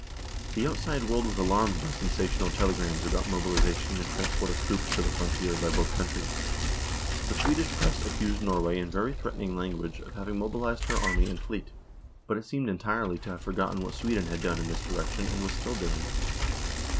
The outside world was alarmed by sensational telegrams about mobilisation and transport of troops to the frontier by both countries. The Swedish Press accused Norway in very threatening language of having L 2 148 NORWAY AND THE UNION WITH SWEDEN mobilised her army and fleet, but it seemed entirely to have forgotten what Sweden had done in this direc tion and was still doing.